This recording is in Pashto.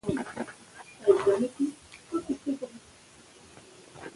ځمکنی شکل د افغان ماشومانو د زده کړې یوه موضوع ده.